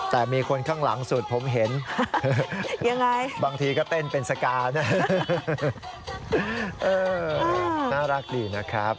แต่มีคนข้างหลังสุดผมเห็นบางทีก็เต้นเป็นสการนะน่ารักดีนะครับ